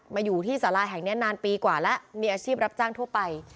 มาอยู่ที่สาราแห่งนี้นานปีกว่าแล้วมีอาชีพรับจ้างทั่วไป